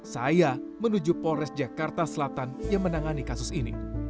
saya menuju polres jakarta selatan yang menangani kasus ini